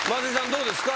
どうですか？